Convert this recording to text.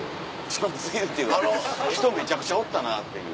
寒過ぎるっていうか人めちゃくちゃおったなっていう。